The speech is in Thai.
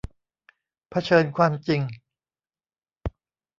เผชิญความจริง